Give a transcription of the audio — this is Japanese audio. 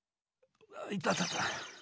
いたたた。